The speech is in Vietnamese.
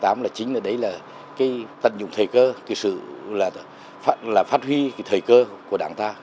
tháng tám chính là tận dụng thời cơ phát huy thời cơ của đảng ta